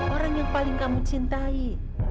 orang yang paling kamu cintai